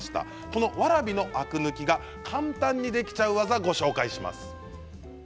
このわらびのアク抜きが簡単にできちゃう技ご紹介します。